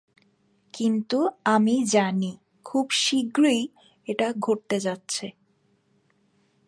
কিন্তু আমি জানি, খুব শীঘ্রই এটা ঘটতে যাচ্ছে।